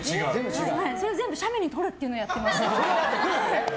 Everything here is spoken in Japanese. それを全部写メに撮るっていうのやってまして。